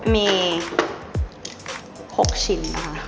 มี๖ชิ้นนะคะ